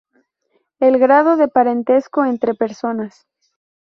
El grado de parentesco entre personas.